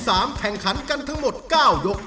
รอบที่๓แข่งขันกันทั้งหมด๙ยก